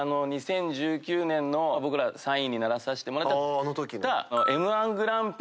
２０１９年の僕ら３位にならさせてもらった。